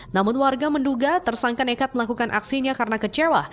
namun warga menduga tersangka nekat melakukan aksinya karena kecewa